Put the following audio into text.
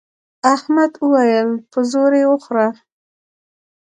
احمد وويل: په زور یې وخوره.